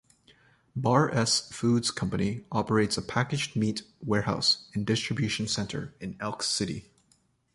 Bar-S Foods Company operates a packaged-meat warehouse and distribution center in Elk City.